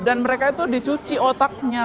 dan mereka itu dicuci otaknya